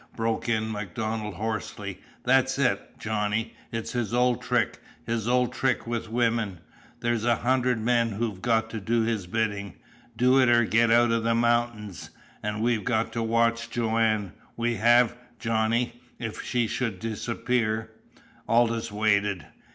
broke in MacDonald hoarsely. "That's it, Johnny! It's his old trick his old trick with women. There's a hunderd men who've got to do his bidding do it 'r get out of the mountains an' we've got to watch Joanne. We have, Johnny! If she should disappear " Aldous waited.